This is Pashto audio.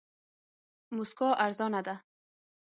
موسکا ارزانه ده.